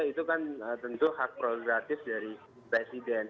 itu kan tentu hak progratif dari presiden